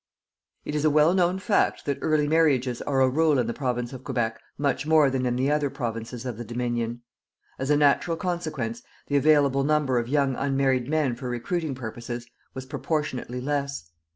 It is a well known fact that early marriages are a rule in the Province of Quebec much more than in the other Provinces of the Dominion. As a natural consequence, the available number of young unmarried men for recruiting purposes was proportionately less.